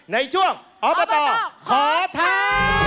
ในช่วงออมตขอท้า